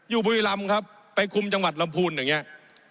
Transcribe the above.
บุรีรำครับไปคุมจังหวัดลำพูนอย่างนี้